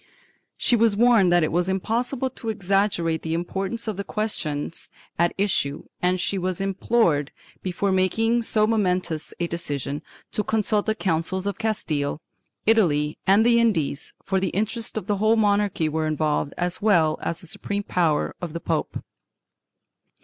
She was warned that it was impossible to exaggerate the importance of the questions at issue and she was implored, before making so momentoiis a decision, to consult the Councils of Castile, Italy and the Indies, for the interests of the whole monarchy were involved as well as the supreme power of the pope.